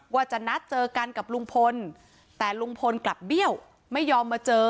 ว่าจะนัดเจอกันกับลุงพลแต่ลุงพลกลับเบี้ยวไม่ยอมมาเจอ